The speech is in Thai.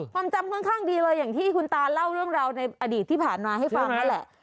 ความจำค่อนข้างดีเลยอย่างที่คุณตาเล่าเรื่องราวในอดีตที่ผ่านมาให้ฟังนั่นแหละ